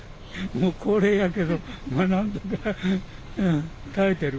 もう高齢やけど、まあなんとか耐えてる。